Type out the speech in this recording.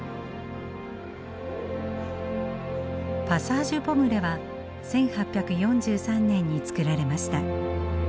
パサージュ・ポムレは１８４３年に作られました。